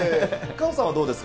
夏帆さんはどうですか？